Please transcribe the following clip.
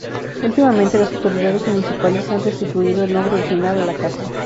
Últimamente, las autoridades municipales han restituido el nombre original a la casa.